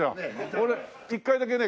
俺一回だけね